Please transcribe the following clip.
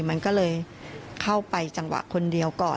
มันก็เลยเข้าไปจังหวะคนเดียวก่อน